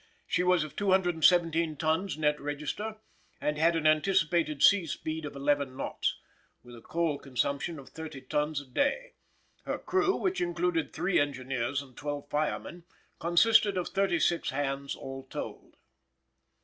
She was of 217 tons net register, and had an anticipated sea speed of eleven knots, with a coal consumption of thirty tons a day. Her crew, which included three engineers and twelve firemen, consisted of thirty six hands all told.